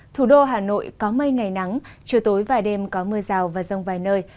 thủ đô hà nội có mây ngày nắng chiều tối và đêm có mưa rào và rông vài nơi